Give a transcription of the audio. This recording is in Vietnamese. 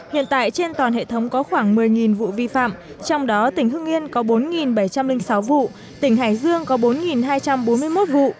hiện tại trên toàn hệ thống có khoảng một mươi vụ vi phạm trong đó tỉnh hưng yên có bốn bảy trăm linh sáu vụ tỉnh hải dương có bốn hai trăm bốn mươi một vụ